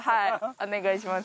お願いします。